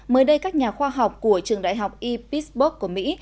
mới đây các nhà khoa học của trường đại học e pittsburgh của mỹ